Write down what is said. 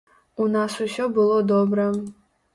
У нас усё было добра.